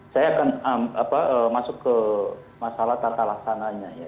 saya akan masuk ke masalah tata laksananya ya